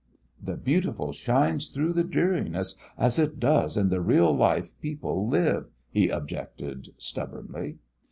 "The beautiful shines through the dreariness, as it does in the real life people live," he objected, stubbornly.